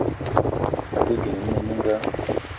A te ding mininga.